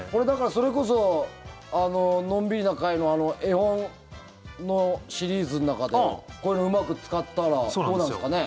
それこそのんびりなかいの絵本のシリーズの中でこれをうまく使ったらどうなるんですかね。